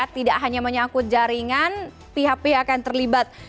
tidak hanya menyakut jaringan pihak pihak akan terlibat